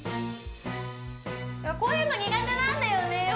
こういうの苦手なんだよね。